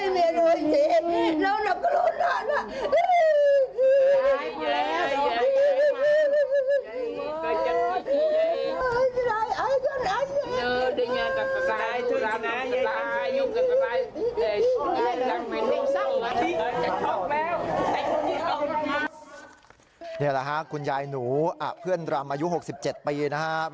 นี่แหละค่ะคุณยายหนูเพื่อนรำอายุ๖๗ปีนะครับ